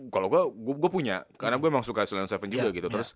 kalau gue gue punya karena gue emang suka slown tujuh juga gitu terus